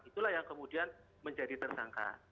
itulah yang kemudian menjadi tersangka